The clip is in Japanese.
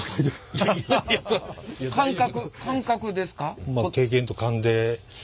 感覚感覚ですか？